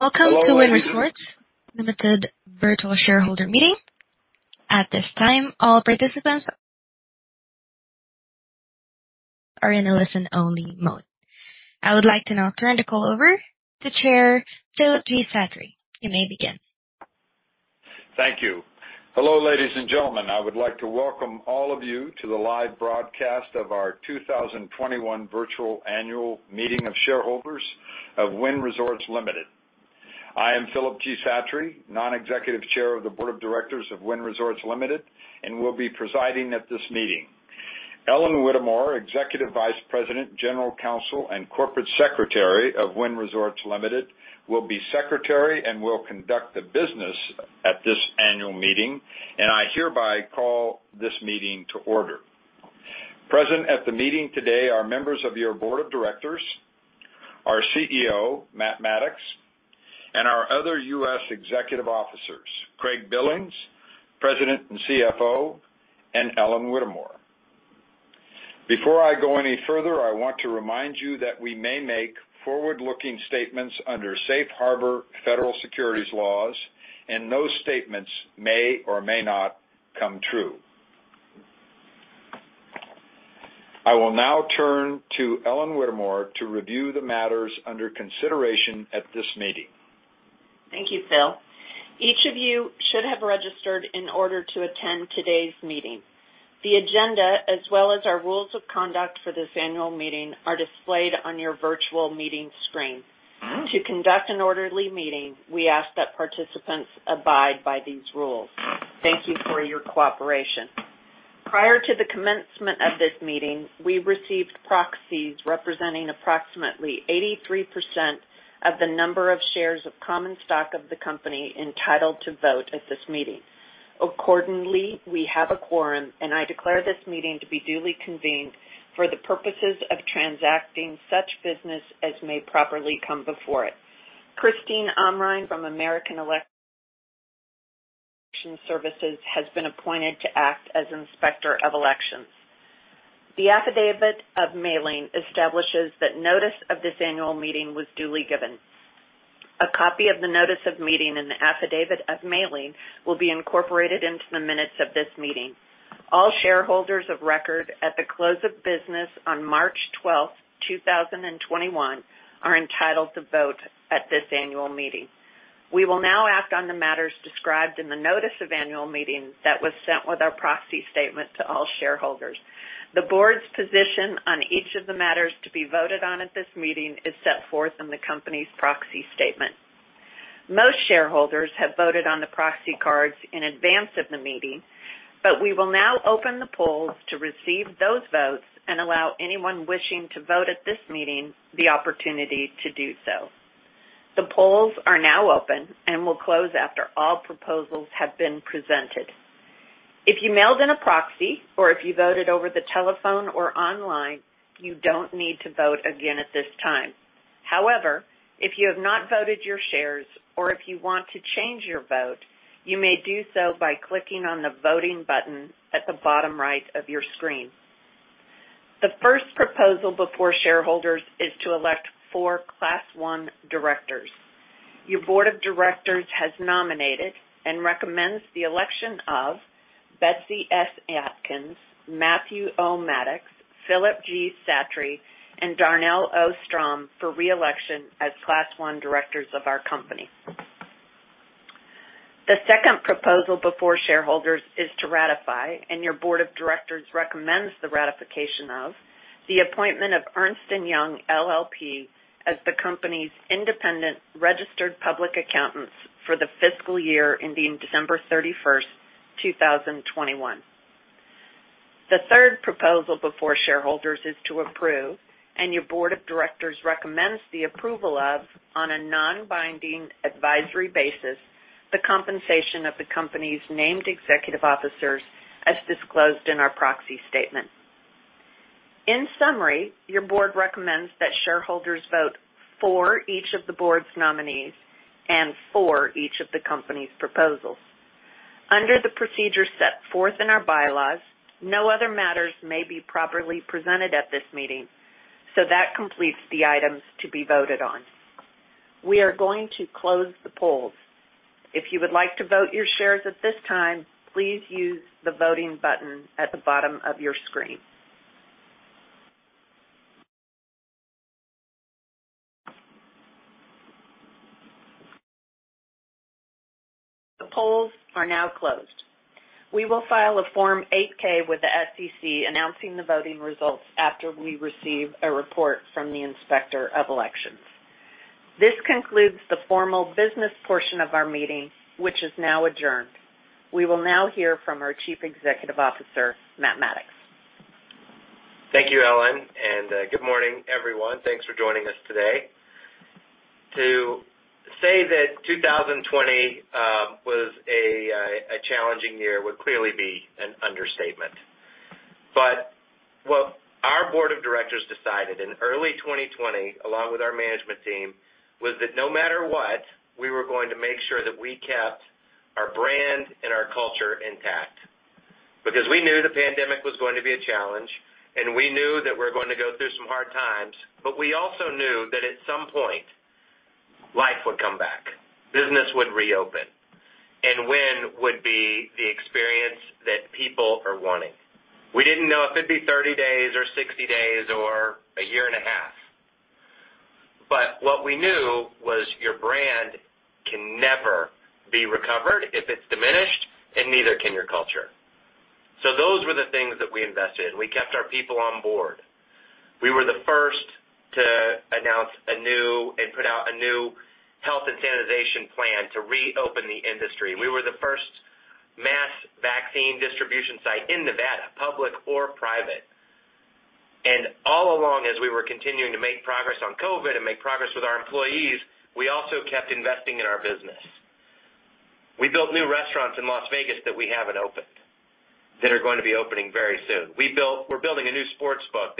Welcome to Wynn Resorts, Limited Virtual Shareholder Meeting. At this time, all participants are in a listen-only mode. I would like to now turn the call over to Chair Philip G. Satre. You may begin. Thank you. Hello, ladies and gentlemen. I would like to welcome all of you to the live broadcast of our 2021 virtual annual meeting of shareholders of Wynn Resorts, Limited. I am Philip G. Satre, Non-Executive Chair of the Board of Directors of Wynn Resorts, Limited, and will be presiding at this meeting. Ellen Whittemore, Executive Vice President, General Counsel, and Corporate Secretary of Wynn Resorts, Limited, will be Secretary and will conduct the business at this annual meeting. I hereby call this meeting to order. Present at the meeting today are members of your Board of Directors, our CEO, Matt Maddox, and our other U.S. executive officers, Craig Billings, President and Chief Financial Officer, and Ellen Whittemore. Before I go any further, I want to remind you that we may make forward-looking statements under Safe Harbor federal securities laws. Those statements may or may not come true. I will now turn to Ellen Whittemore to review the matters under consideration at this meeting. Thank you, Phil. Each of you should have registered in order to attend today's meeting. The agenda, as well as our rules of conduct for this annual meeting, are displayed on your virtual meeting screen. To conduct an orderly meeting, we ask that participants abide by these rules. Thank you for your cooperation. Prior to the commencement of this meeting, we received proxies representing approximately 83% of the number of shares of common stock of the company entitled to vote at this meeting. Accordingly, we have a quorum, and I declare this meeting to be duly convened for the purposes of transacting such business as may properly come before it. Christine Amrhein from American Election Services has been appointed to act as Inspector of Elections. The Affidavit of Mailing establishes that notice of this annual meeting was duly given. A copy of the notice of meeting and the Affidavit of Mailing will be incorporated into the minutes of this meeting. All shareholders of record at the close of business on March 12th, 2021, are entitled to vote at this annual meeting. We will now act on the matters described in the notice of annual meeting that was sent with our proxy statement to all shareholders. The board's position on each of the matters to be voted on at this meeting is set forth in the company's proxy statement. Most shareholders have voted on the proxy cards in advance of the meeting, but we will now open the polls to receive those votes and allow anyone wishing to vote at this meeting the opportunity to do so. The polls are now open and will close after all proposals have been presented. If you mailed in a proxy or if you voted over the telephone or online, you don't need to vote again at this time. However, if you have not voted your shares or if you want to change your vote, you may do so by clicking on the voting button at the bottom right of your screen. The first proposal before shareholders is to elect four Class I Directors. Your board of directors has nominated and recommends the election of Betsy S. Atkins, Matthew O. Maddox, Philip G. Satre, and Darnell O. Strom for re-election as Class I directors of our company. The second proposal before shareholders is to ratify, and your board of directors recommends the ratification of, the appointment of Ernst & Young LLP as the company's independent registered public accountants for the fiscal year ending December 31, 2021. The third proposal before shareholders is to approve, and your Board of Directors recommends the approval of, on a non-binding advisory basis, the compensation of the company's named executive officers as disclosed in our proxy statement. In summary, your Board recommends that shareholders vote for each of the Board's nominees and for each of the company's proposals. Under the procedure set forth in our bylaws, no other matters may be properly presented at this meeting, so that completes the items to be voted on. We are going to close the polls. If you would like to vote your shares at this time, please use the voting button at the bottom of your screen. The polls are now closed. We will file a Form 8-K with the SEC announcing the voting results after we receive a report from the Inspector of Elections. This concludes the formal business portion of our meeting, which is now adjourned. We will now hear from our Chief Executive Officer, Matt Maddox. Thank you, Ellen. Good morning, everyone. Thanks for joining us today. To say that 2020 was a challenging year would clearly be an understatement. What our board of directors decided in early 2020, along with our management team, was that no matter what, we were going to make sure that we kept our brand and our culture intact. Because we knew the pandemic was going to be a challenge, and we knew that we're going to go through some hard times, but we also knew that at some point, life would come back, business would reopen, and Wynn would be the experience that people are wanting. We didn't know if it'd be 30 days or 60 days or a year and a half. What we knew was your brand can never be recovered if it's diminished, and neither can your culture. Those were the things that we invested in. We kept our people on board. We were the first to announce a new and put out a new health and sanitation plan to reopen the industry. We were the first mass vaccine distribution site in Nevada, public or private. All along, as we were continuing to make progress on COVID and make progress with our employees, we also kept investing in our business. We built new restaurants in Las Vegas that we haven't opened, that are going to be opening very soon. We're building a new sportsbook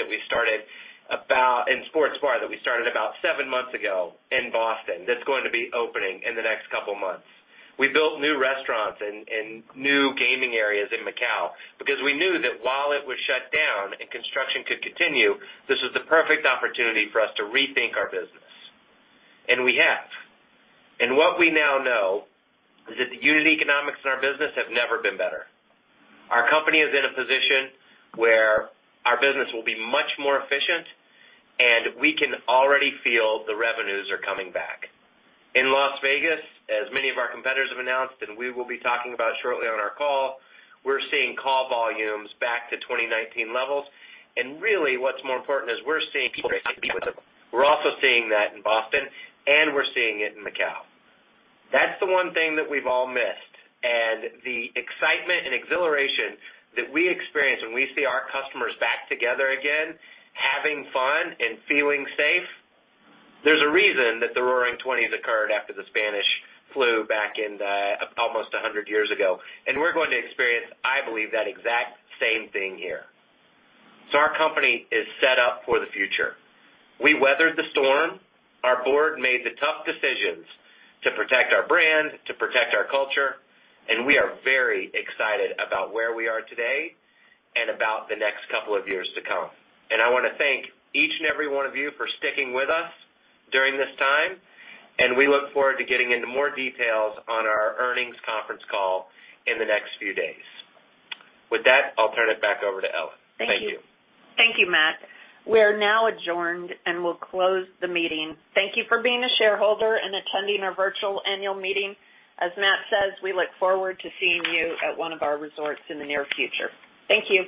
and sports bar that we started about seven months ago in Boston that's going to be opening in the next couple of months. We built new restaurants and new gaming areas in Macau because we knew that while it was shut down and construction could continue, this was the perfect opportunity for us to rethink our business, and we have. What we now know is that the unit economics in our business have never been better. Our company is in a position where our business will be much more efficient, and we can already feel the revenues are coming back. In Las Vegas, as many of our competitors have announced, and we will be talking about shortly on our call, we're seeing call volumes back to 2019 levels, and really what's more important is we're seeing people. We're also seeing that in Boston, and we're seeing it in Macau. That's the one thing that we've all missed, and the excitement and exhilaration that we experience when we see our customers back together again, having fun and feeling safe. There's a reason that the Roaring Twenties occurred after the Spanish flu almost 100 years ago. We're going to experience, I believe, that exact same thing here. Our company is set up for the future. We weathered the storm. Our board made the tough decisions to protect our brand, to protect our culture, and we are very excited about where we are today and about the next couple of years to come. I want to thank each and every one of you for sticking with us during this time, and we look forward to getting into more details on our earnings conference call in the next few days. With that, I'll turn it back over to Ellen. Thank you. Thank you, Matt. We are now adjourned and will close the meeting. Thank you for being a shareholder and attending our virtual annual meeting. As Matt says, we look forward to seeing you at one of our resorts in the near future. Thank you.